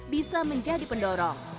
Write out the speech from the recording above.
bisa menjadi pendorong